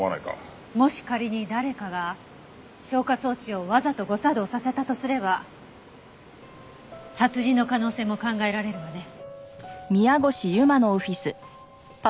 もし仮に誰かが消火装置をわざと誤作動させたとすれば殺人の可能性も考えられるわね。